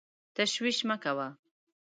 تشویش مه کوه !